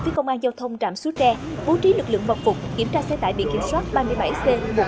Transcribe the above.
với công an giao thông trạm xu trè bố trí lực lượng mọc phục kiểm tra xe tải bị kiểm soát ba mươi bảy c một mươi bốn nghìn sáu trăm sáu mươi bốn